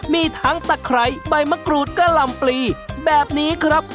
มีทั้งตะไคร้ใบมะกรูดกะหล่ำปลีแบบนี้ครับ